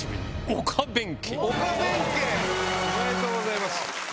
おめでとうございます。